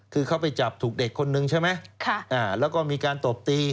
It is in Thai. คือเขาไปจับถูกเด็กคนนึงใช่ไหมแล้วก็มีการตบตี